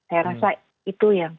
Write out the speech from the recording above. saya rasa itu yang